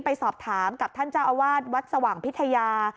ไปสอบถามกับท่านเจ้าอาวาสวัดสว่างพิทยา